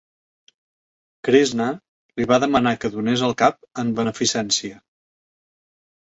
Krishna li va demanar que donés el cap en beneficència.